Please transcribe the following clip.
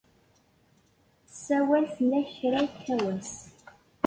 Tessawal fell-ak kra yekka wass.